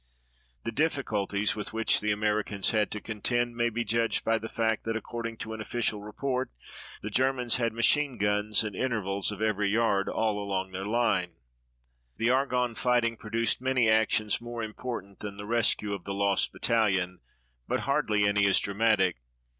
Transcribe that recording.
The difficulties with which the Americans had to contend may be judged by the fact that, according to an official report, the Germans had machine guns at intervals of every yard all along their line. The Argonne fighting produced many actions more important than the rescue of the Lost Battalion, but hardly any as dramatic.